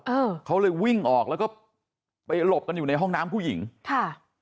เออเขาเลยวิ่งออกแล้วก็ไปหลบกันอยู่ในห้องน้ำผู้หญิงค่ะ